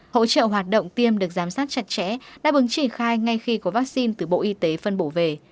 hỗ trợ hoạt động tiêm được giám sát chặt chẽ đáp ứng triển khai ngay khi có vaccine từ bộ y tế phân bổ về